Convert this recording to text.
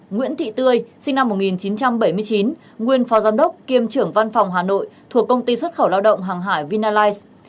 nguyễn thị tươi sinh năm một nghìn chín trăm bảy mươi chín nguyên phó giám đốc kiêm trưởng văn phòng hà nội thuộc công ty xuất khẩu lao động hàng hải vinalize